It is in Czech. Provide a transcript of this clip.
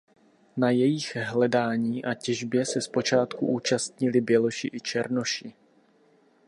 Na jejich hledání a těžbě se zpočátku účastnili běloši i černoši.